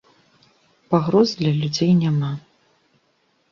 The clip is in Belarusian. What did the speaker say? Пагроз для людзей няма.